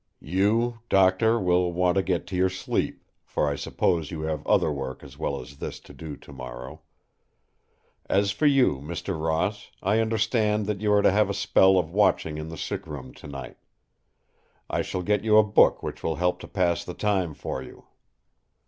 You, Doctor, will want to get to your sleep; for I suppose you have other work as well as this to do tomorrow. As for you, Mr. Ross, I understand that you are to have a spell of watching in the sick room tonight. I shall get you a book which will help to pass the time for you.